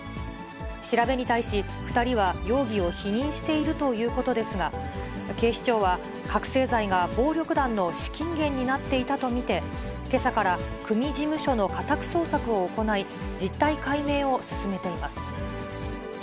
調べに対し、２人は容疑を否認しているということですが、警視庁は、覚醒剤が暴力団の資金源になっていたと見て、けさから組事務所の家宅捜索を行い、実態解明を進めています。